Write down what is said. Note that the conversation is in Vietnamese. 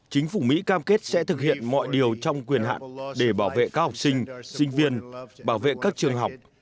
chính phủ mỹ cam kết sẽ thực hiện mọi điều trong quyền hạn để bảo vệ các học sinh sinh viên bảo vệ các trường học